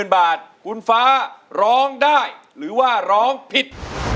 ๐บาทคุณฟ้าร้องได้หรือว่าร้องผิด